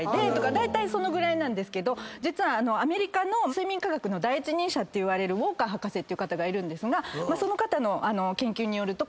だいたいそのぐらいなんですけど実はアメリカの睡眠科学の第一人者っていわれるウォーカー博士って方がいるんですがその方の研究によると。